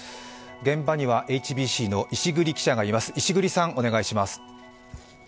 現場にはＨＢＣの石栗記者がいます。